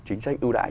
chính trách ưu đại